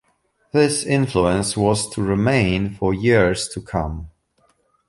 This influence was to remain for years to come.